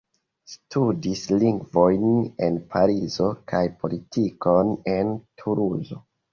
Studis lingvojn en Parizo kaj politikon en Tuluzo.